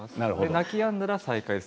泣きやんだら再開です。